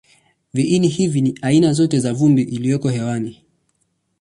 Viini hivi ni aina zote za vumbi iliyoko hewani.